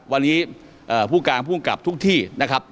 วันนี้ผู้การผู้กำกับทุกที่นะครับ